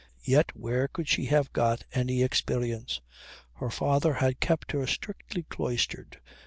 Yet, where could she have got any experience? Her father had kept her strictly cloistered.